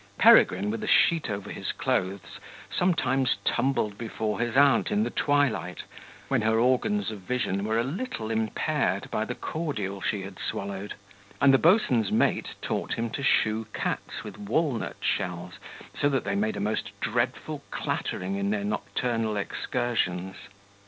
Peregrine, with a sheet over his clothes, sometimes tumbled before his aunt in the twilight, when her organs of vision were a little impaired by the cordial she had swallowed; and the boatswain's mate taught him to shoe cats with walnut shells, so that they made a most dreadful clattering in their nocturnal excursions.